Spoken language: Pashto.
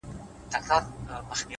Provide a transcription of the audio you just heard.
نیکي د وخت په حافظه کې ژوندۍ وي’